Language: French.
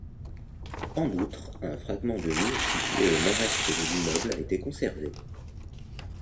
En outre, un fragment de mur situé au nord-est de l'immeuble a été conservé.